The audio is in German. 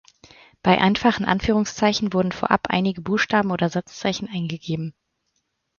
Bei einfachen Anführungszeichen wurden vorab einige Buchstaben oder Satzzeichen eingegeben.